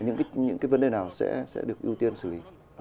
những cái vấn đề nào sẽ được ưu tiên xử lý